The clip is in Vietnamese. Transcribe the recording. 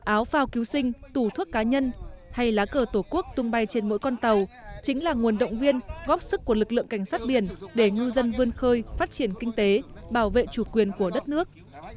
áo phao cứu sinh tủ thuốc cá nhân hay lá cờ tổ quốc tung bay trên mỗi con tàu chính là nguồn động viên góp sức của lực lượng cảnh sát biển để ngư dân vươn khơi phát triển kinh tế bảo vệ chủ quyền của đất nước